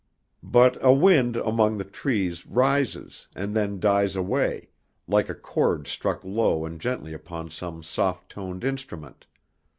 But a wind among the trees rises, and then dies away, like a chord struck low and gently upon some soft toned instrument.